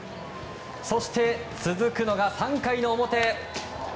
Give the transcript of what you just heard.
そして、続くのが３回の表。